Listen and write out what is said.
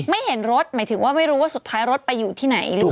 เห็นรถหมายถึงว่าไม่รู้ว่าสุดท้ายรถไปอยู่ที่ไหนหรือเปล่า